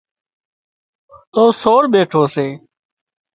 تو سور ٻيٺو سي